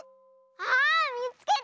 ああっみつけた！